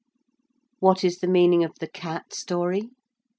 _)] What is the meaning of the 'cat' story?